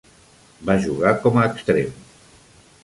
Va jugar com a extrem.